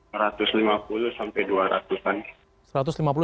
satu ratus lima puluh sampai dua ratus an